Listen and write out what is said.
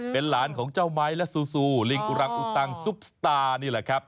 เป็นหลานของเจ้าไม้และซูซูลิงอุรังอุตังซุปสตาร์นี่แหละครับ